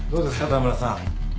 田村さん。